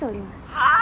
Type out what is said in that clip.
☎はあ！？